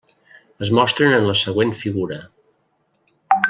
Es mostren en la següent figura.